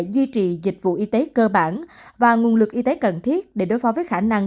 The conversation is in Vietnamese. duy trì dịch vụ y tế cơ bản và nguồn lực y tế cần thiết để đối phó với khả năng